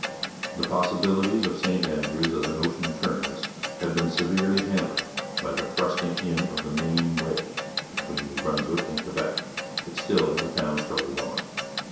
The possibilities of St Andrews as an ocean terminus had been severely hampered by the thrusting in of the Maine wedge between New Brunswick and Quebec, but still the town struggled on.